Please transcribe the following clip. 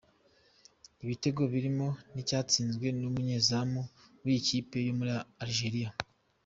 Ibitego birimo n’icyatsinzwe n’umunyezamu w’iyi kipe yo muri Algeria.